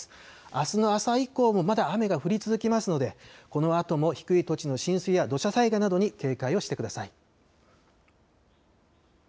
あすの朝以降もまだ雨が降り続きますのでこのあとも低い土地の浸水や土砂災害などに警戒をしてください。